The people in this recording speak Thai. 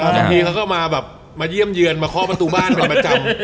บางทีเขาก็มาแบบมาเยี่ยมเยือนมาเคาะประตูบ้านเป็นประจำ